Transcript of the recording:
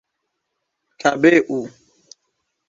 kabeu